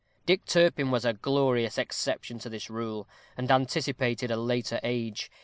Dick Turpin was a glorious exception to the rule, and anticipated a later age.